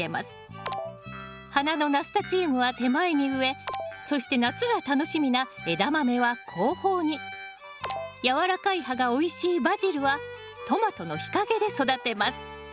花のナスタチウムは手前に植えそして夏が楽しみなエダマメは後方に軟らかい葉がおいしいバジルはトマトの日陰で育てます